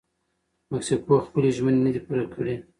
مکسیکو خپلې ژمنې نه دي پوره کړي.